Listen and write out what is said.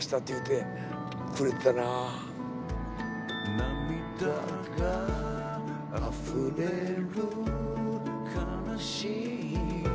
「涙があふれる悲しい季節は」